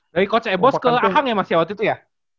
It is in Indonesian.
dari coach ebos ke ahang ya mas ya waktu itu ya